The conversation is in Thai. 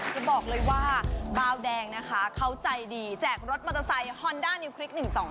จะบอกเลยว่าบาวแดงนะคะเขาใจดีแจกรถมอเตอร์ไซค์ฮอนด้านิวคลิก๑๒